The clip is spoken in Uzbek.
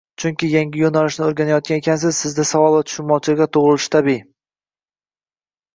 Chunki yangi yo’nalishni o’rganayotgan ekansiz, Sizda savollar va tushunmovchiliklar tug’ilishi tabiiy